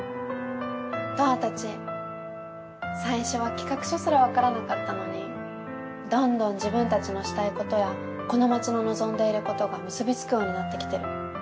トアたち最初は企画書すらわからなかったのにどんどん自分たちのしたいことやこの街の望んでいることが結びつくようになってきてる。